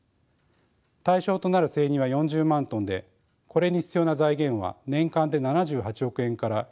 対象となる生乳は４０万ｔでこれに必要な財源は年間で７８億円から１５８億円です。